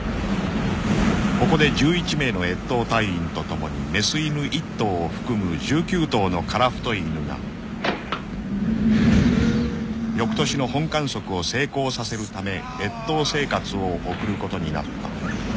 ［ここで１１名の越冬隊員とともに雌犬１頭を含む１９頭の樺太犬が翌年の本観測を成功させるため越冬生活を送ることになった］